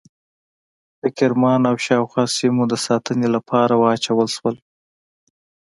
د کرمان او شاوخوا سیمو د ساتنې لپاره واچول شول.